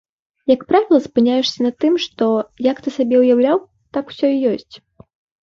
Як правіла, спыняешся на тым, што, як ты сабе ўяўляў, так усё і ёсць.